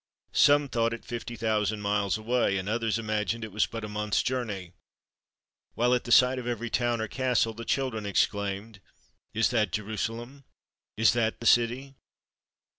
Some thought it fifty thousand miles away, and others imagined that it was but a month's journey; while at sight of every town or castle the children exclaimed, "Is that Jerusalem? Is that the city?"